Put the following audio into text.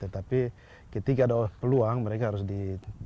tetapi ketika ada peluang mereka harus di